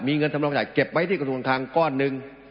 มีเงินสำรองจ่ายเก็บไว้ที่กระทรวงคลังก้อนหนึ่ง